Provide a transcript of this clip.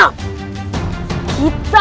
aku setuju dengan rencanamu